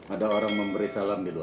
ada orang memberi salam di luar